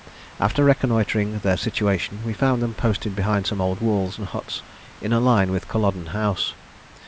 After reconnoitring their situation, we found them posted behind some old walls and huts, in a line with Culloden House.